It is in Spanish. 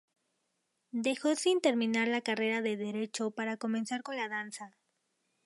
Dejó sin terminar la carrera de Derecho para comenzar con la danza.